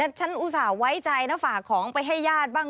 ฉันอุตส่าห์ไว้ใจนะฝากของไปให้ญาติบ้าง